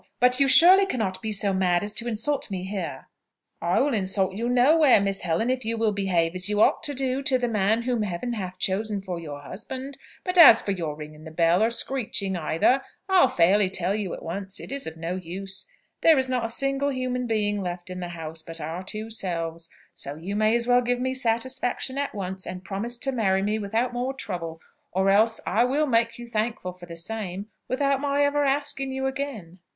"But you surely cannot be so mad as to insult me here!" "I will insult you nowhere, Miss Helen, if you will behave as you ought to do to the man whom Heaven hath chosen for your husband. But as for your ringing the bell, or screeching either, I'll fairly tell you at once, it is of no use. There is not a single human being left in the house but our two selves; so you may as well give me satisfaction at once, and promise to marry me without more trouble, or else, I will make you thankful for the same, without my ever asking you again."